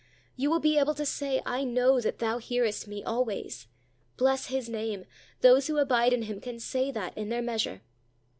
You will be able to say, "I know that Thou hearest me always." Bless His name! Those who abide in Him can say that in their measure.